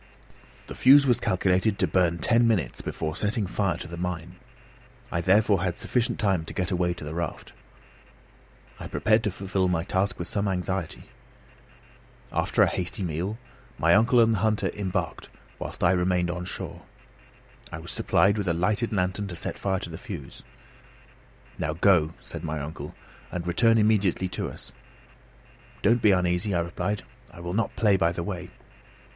The fuse was calculated to burn ten minutes before setting fire to the mine. I therefore had sufficient time to get away to the raft. I prepared to fulfil my task with some anxiety. After a hasty meal, my uncle and the hunter embarked whilst I remained on shore. I was supplied with a lighted lantern to set fire to the fuse. "Now go," said my uncle, "and return immediately to us." "Don't be uneasy," I replied. "I will not play by the way."